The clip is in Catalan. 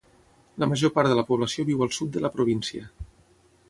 La major part de la població viu al sud de la província.